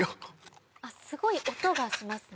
すごい音がしますね。